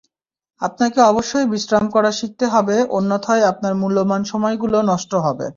আপনাকে অবশ্যই বিশ্রাম করা শিখতে হবে অন্যথায় আপনার মূল্যবান সময়গুলো নষ্ট হবে।